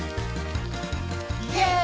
「イェーイ！」